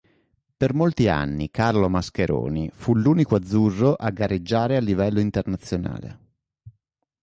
Per molti anni Carlo Mascheroni fu l'unico azzurro a gareggiare a livello internazionale.